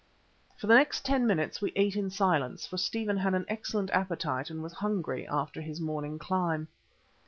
For the next ten minutes we ate in silence, for Stephen had an excellent appetite and was hungry after his morning climb.